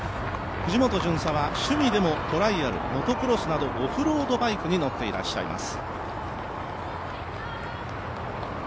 藤本巡査は趣味でもモトクロス、オフロードバイクに乗っていらっしゃいます。